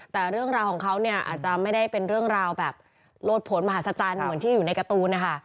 แต่เรื่องราวของเขาเนี่ยอาจจะไม่ได้เป็นเรื่องราวแบบโลดผลมหาศจรรย์เหมือนที่อยู่ในการ์ตูนนะคะ